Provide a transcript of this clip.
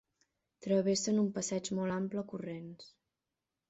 Travessen un passeig molt ample corrents.